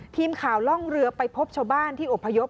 ทีมข่าวล่องเรือไปพบชาวบ้านที่อบพยพ